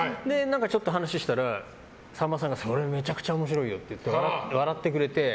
ちょっと話をしたらさんまさんがそれ、めちゃくちゃ面白いよと笑ってくれて。